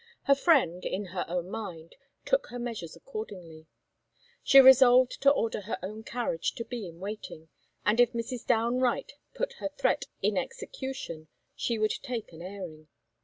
Her friend, in her own mind, took her measures accordingly. She resolved to order her own carriage to be in waiting, and if Mrs. Downe Wright put her threat in execution she would take an airing.